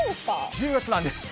１０月なんです。